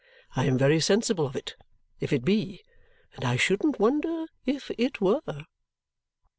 I am very sensible of it, if it be, and I shouldn't wonder if it were!"